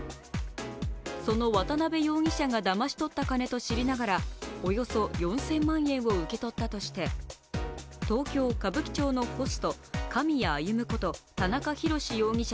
その渡邊容疑者がだまし取った金と知りながらおよそ４０００万円を受け取ったとして、東京・歌舞伎町のホスト狼谷歩こと田中裕志容疑者